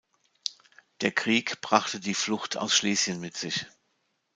Der Krieg brachte die Flucht aus Schlesien mit sich.